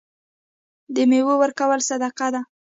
د میوو ورکول صدقه ده.